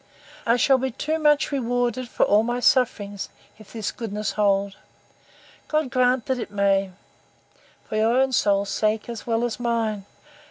—I shall be too much rewarded for all my sufferings, if this goodness hold! God grant it may, for your own soul's sake as well as mine.